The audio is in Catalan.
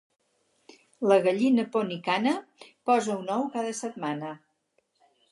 La gallina ponicana posa un ou cada setmana.